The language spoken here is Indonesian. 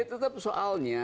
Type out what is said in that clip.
ya tetap soalnya